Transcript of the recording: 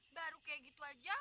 baru kayak gitu aja